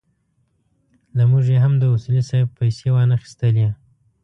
له موږ یې هم د اصولي صیب پېسې وانخيستلې.